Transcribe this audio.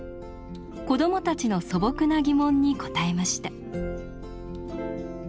子供たちの素朴な疑問に答えました。